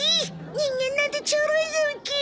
人間なんてちょろいぞウッキー。